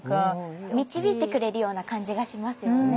導いてくれるような感じがしますよね